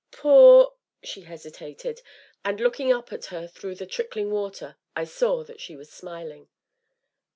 "Poor " she hesitated, and looking up at her through the trickling water, I saw that she was smiling.